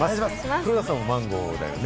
黒田さんもマンゴーだよね？